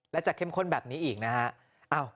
และจะเข้มข้นแบบนี้อีกนะฮะ